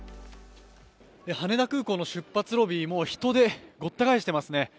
羽田空港の出発ロビー人でごった返していますね。